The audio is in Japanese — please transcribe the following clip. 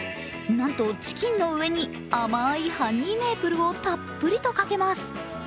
なんとチキンの上に甘いハニーメイプルをたっぷりとかけます。